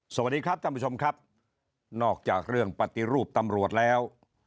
สวัสดีครับท่านผู้ชมครับนอกจากเรื่องปฏิรูปตำรวจแล้ว